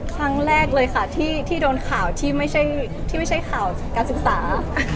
ครั้งแรกเลยค่ะที่โดนข่าวที่ไม่ใช่ข่าวการศึกษา